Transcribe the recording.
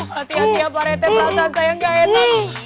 hati hati ya parete perasaan saya gak enak